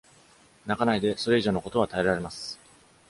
泣かないで。それ以上のことは耐えられます。